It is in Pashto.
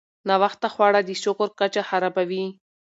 ناوخته خواړه د شکر کچه خرابوي.